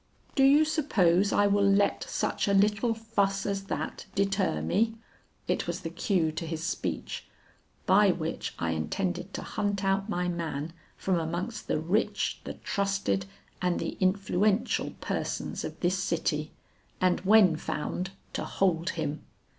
'Do you suppose I will let such a little fuss as that deter me?' It was the cue to his speech, by which I intended to hunt out my man from amongst the rich, the trusted and the influential persons of this city, and when found, to hold him.'